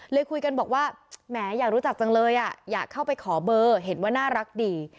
เลยคุยกันบอกว่าแหมอยากรู้จักจังเลยอยากเข้าไปขอเบอร์เห็นว่าน่ารักดี